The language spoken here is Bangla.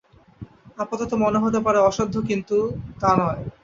আপাতত মনে হতে পারে অসাধ্য– কিন্তু তা নয়।